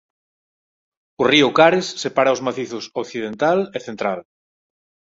O río Cares separa os Macizos Occidental e Central.